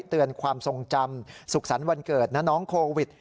เตือนความทรงจำสุขสรรค์วันเกิดนะน้องโควิด